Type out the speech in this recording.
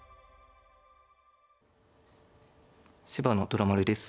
芝野虎丸です。